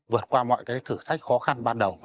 vượt qua mọi cái thử thách khó khăn ban đầu